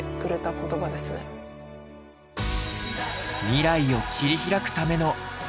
未来を切り開くための愛ことば。